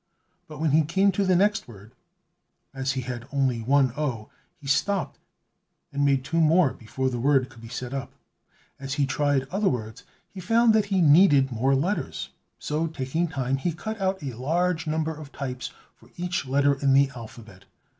But when he came to the next word, as he had only one o, he stopped and made two more before the word could be set up. As he tried other words, he found that he needed more letters; so, taking time, he cut out a large number of types for each letter in the alphabet.